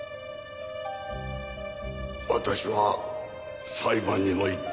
私は裁判にも行った。